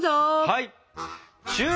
はい！